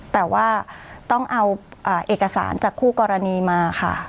แต่ว่าต้องเอาเอกสารจากคู่กรณีมาค่ะ